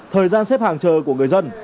thời gian xếp hàng chờ của người dân